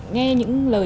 nghe những lời